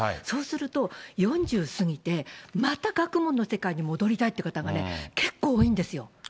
そうすると、４０過ぎてまた学問の世界に戻りたいっていう方が、結構多いんですよ。